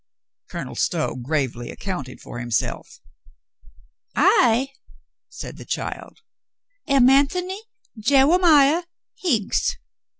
Colonel Stow gravely accounted for himself. "I," said the child, "am Antony Jewe miah Higgs.